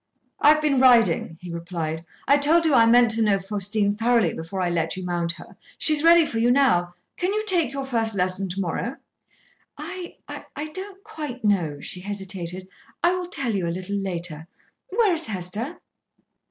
"I have been riding," he replied. "I told you I meant to know Faustine thoroughly before I let you mount her. She is ready for you now. Can you take your first lesson to morrow?" "I I don't quite know," she hesitated. "I will tell you a little later. Where is Hester?"